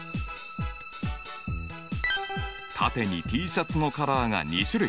縦にＴシャツのカラーが２種類。